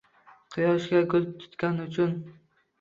Quyoshga gul tutgani uchun